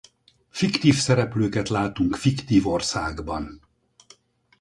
Fiktív szereplőket látunk fiktív országban.